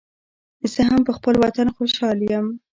زه هم پخپل وطن خوشحال یم